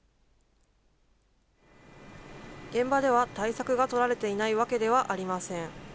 現場では対策が取られていないわけではありません。